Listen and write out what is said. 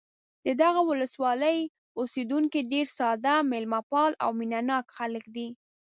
د دغه ولسوالۍ اوسېدونکي ډېر ساده، مېلمه پال او مینه ناک خلک دي.